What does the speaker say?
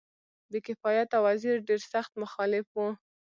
بې کفایته وزیر ډېر سخت مخالف وو.